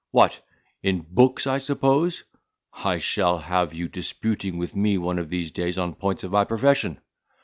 What? in books, I suppose. I shall have you disputing with me one of these days on points of my profession.